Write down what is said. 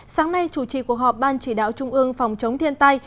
sáng nay chủ trì cuộc họp ban chỉ đạo trung ương phòng chống thiên tai